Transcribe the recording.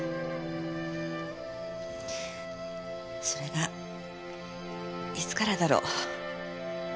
それがいつからだろう。